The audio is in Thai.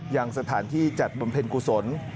ยังสถานที่จัดบำเพ็ญกุศล